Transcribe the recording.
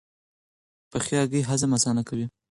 پخې هګۍ هضم اسانه کوي.